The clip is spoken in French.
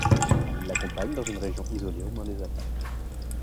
Ils l'accompagnent dans une région isolée aux mains des Apaches.